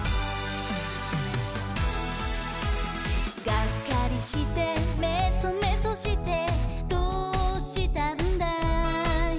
「がっかりしてめそめそしてどうしたんだい？」